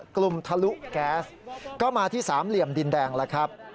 ทะลุแก๊สก็มาที่สามเหลี่ยมดินแดงแล้วครับ